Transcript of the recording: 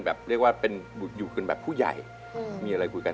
ทะเลาะกันกัน